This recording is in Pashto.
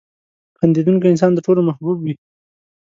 • خندېدونکی انسان د ټولو محبوب وي.